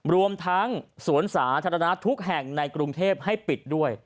รวมทั้งสวนสาธารณะทุกแห่งในกรุงเทพให้ปิดด้วย